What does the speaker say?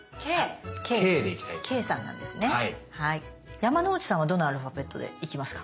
山之内さんはどのアルファベットで行きますか？